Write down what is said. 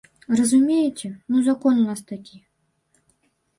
Разумееце, ну закон у нас такі.